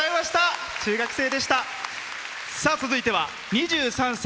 続いては２３歳。